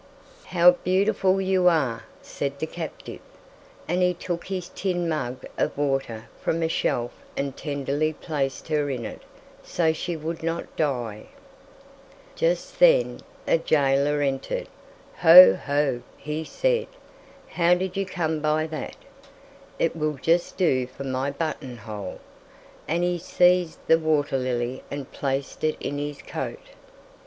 "How beautiful you are," said the captive, and he took his tin mug of water from a shelf and tenderly placed her in it so she would not die. Just then a jailer entered, "Ho, ho!" he said, "how did you come by that; it will just do for my button hole." And he seized the water lily and placed it in his coat.